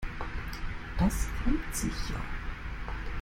Das reimt sich ja.